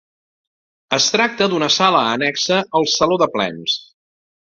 Es tracta d'una sala annexa al Saló de Plens.